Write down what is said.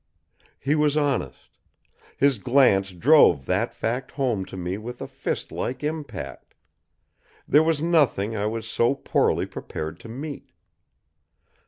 He was honest. His glance drove that fact home to me with a fist like impact. There was nothing I was so poorly prepared to meet.